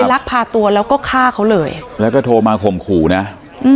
ลักพาตัวแล้วก็ฆ่าเขาเลยแล้วก็โทรมาข่มขู่นะอืม